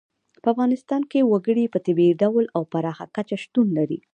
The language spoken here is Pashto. په افغانستان کې وګړي په طبیعي ډول او پراخه کچه شتون لري.